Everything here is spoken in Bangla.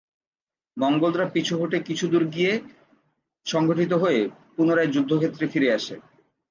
মঙ্গোলরা পিছু হটে কিছু দূরে গিয়ে সংগঠিত হয়ে পুনরায় যুদ্ধক্ষেত্রে ফিরে আসে।